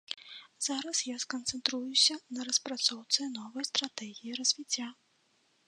Зараз я сканцэнтруюся на распрацоўцы новай стратэгіі развіцця.